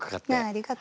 ありがとう。